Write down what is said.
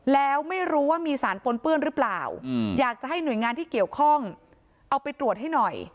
แล้วไม่รู้ว่ามีสารปนเปื้อนหรือเปล่าอยากจะให้หน่วยงานที่เกี่ยวข้องเอาไปตรวจให้หน่อย